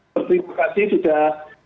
pertemuan kasih sudah